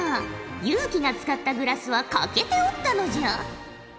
有輝が使ったグラスは欠けておったのじゃ。